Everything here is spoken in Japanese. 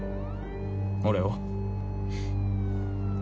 俺を。